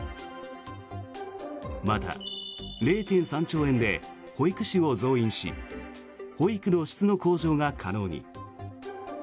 また、０．３兆円で保育士を増員し保育の質の向上が可能に。